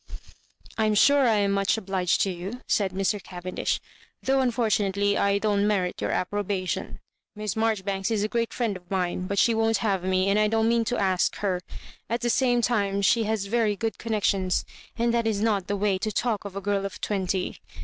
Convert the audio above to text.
" I am sure I am much obliged to you, said Mr. Cavendish, " though, unfortunately, I don't merit your approbation. Miss Maijoribanks is a great friend of mine, but she wouldn't have me, and I don't mean to ask her. At the same time, she has very good connections ; and that is not the way to talk of a girl of twenty.